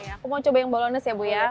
aku mau coba yang bolones ya bu ya